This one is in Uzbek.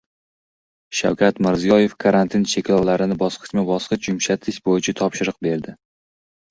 Shavkat Mirziyoyev karantin cheklovlarini bosqichma-bosqich yumshatish bo‘yicha topshiriq berdi